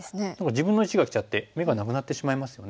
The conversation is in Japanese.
自分の石がきちゃって眼がなくなってしまいますよね。